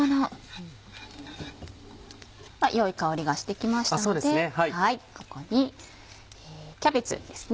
良い香りがしてきましたのでここにキャベツですね。